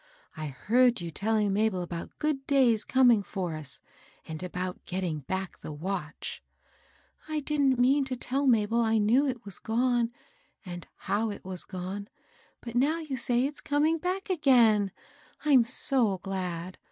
^^I heard you telling Mabel about good days coming for us, and about getting back the watch. I didn't mean to tell Mabel I knew it was gone, and haw it was gone ; but now you say it's coming back again, I'm so glad